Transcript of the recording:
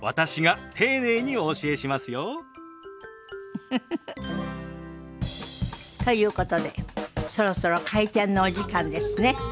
ウフフフ。ということでそろそろ開店のお時間ですね。